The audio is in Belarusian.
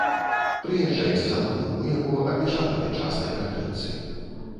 Прыязджайце за малым, у яго абмежаваны час на ператрымцы!